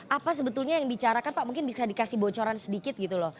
apa sebetulnya yang dicarakan pak mungkin bisa dikasih bocoran sedikit gitu loh